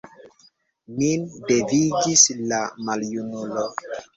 Min devigis la maljunulo.